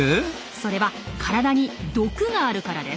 それは体に毒があるからです。